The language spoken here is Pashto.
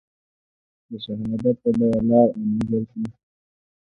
د شهادت په بیه لار او منزل په نښه کړ.